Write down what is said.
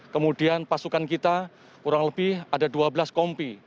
kemudian pasukan kita kurang lebih ada dua belas kompi